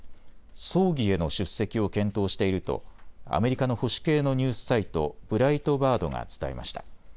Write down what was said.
葬儀への出席を検討しているとアメリカの保守系のニュースサイト、ブライトバートが伝えました。